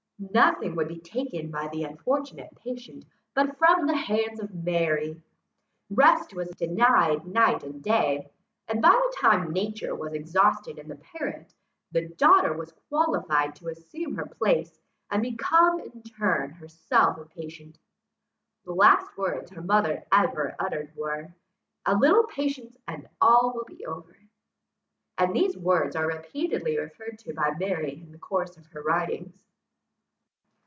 Nothing would be taken by the unfortunate patient, but from the hands of Mary; rest was denied night or day, and by the time nature was exhausted in the parent, the daughter was qualified to assume her place, and become in turn herself a patient. The last words her mother ever uttered were, "A little patience, and all will be over!" and these words are repeatedly referred to by Mary in the course of her writings.